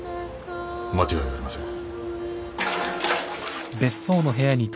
間違いありません。